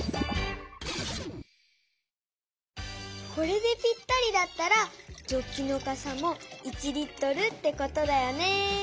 これでぴったりだったらジョッキのかさも１Ｌってことだよね。